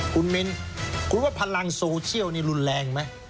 คุณมิ้นคุณว่าพลังโซเชียลนี่รุนแรงไหม